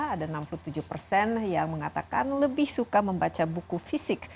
ada enam puluh tujuh persen yang mengatakan lebih suka membaca buku fisik